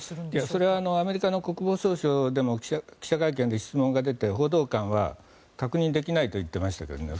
それはアメリカの国防総省でも記者会見で質問が出て報道官は確認できないといっていましたけどね。